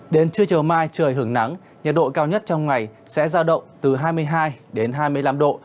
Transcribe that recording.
đến trưa chờ mai trời hưởng nắng nhật độ cao nhất trong ngày sẽ ra động từ hai mươi hai hai mươi năm độ